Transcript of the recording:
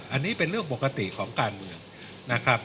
อันนี้เป็นเรื่องปกติของการเมืองนะครับ